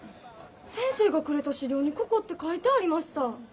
先生がくれた資料にここって書いてありました。